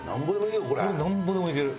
これなんぼでもいける。